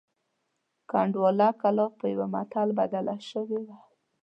کنډواله کلا په یوه متل بدله شوې وه.